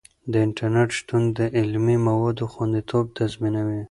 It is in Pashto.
د انټرنیټ شتون د علمي موادو خوندیتوب تضمینوي.